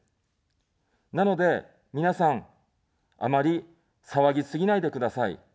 なので、皆さん、あまり騒ぎすぎないでください。